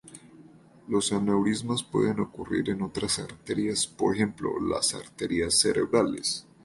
Los aneurismas pueden ocurrir en otras arterias, por ejemplo las arterias cerebrales.